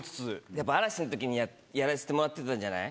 やっぱ嵐のときにやらせてもらってたじゃない？